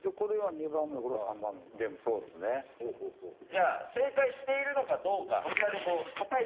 じゃあ正解しているのかどうかこちらで叩いて。